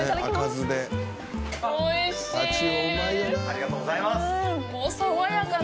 ありがとうございます！